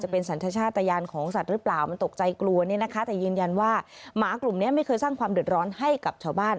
พยายามว่าหมากลุ่มนี้ไม่เคยสร้างความเดือดร้อนให้กับชาวบ้าน